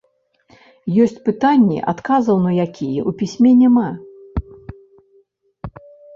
Ёсць пытанні, адказаў на якія ў пісьме няма.